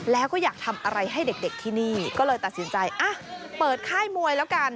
แล้วก็อยากทำอะไรให้เด็กที่นี่ก็เลยตัดสินใจอ่ะเปิดค่ายมวยแล้วกัน